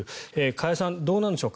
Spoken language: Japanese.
加谷さん、どうなんでしょう。